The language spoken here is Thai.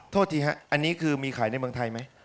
ธรรมชาติอันนี้คือมีขายในเมืองไทยไหม